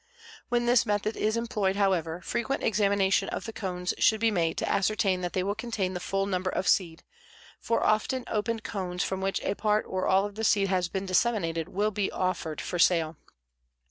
When this method is employed, however, frequent examination of the cones should be made to ascertain that they contain the full number of seed, for often opened cones from which a part or all of the seed has been disseminated will be offered for sale.